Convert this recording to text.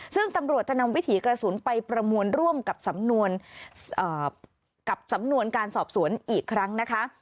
ซึ่งตำรวจจะนำวิถีกระสุนไปประมวลร่วมกับสำนวนกับสำนวนการสอบสวนอีกครั้งนะคะ